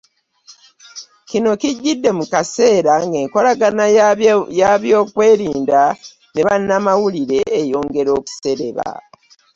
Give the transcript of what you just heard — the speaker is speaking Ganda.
Kino kijjidde mu kaseera ng'enkolagana y'abeebyokwerinda ne bannamawulire eyongera okusereba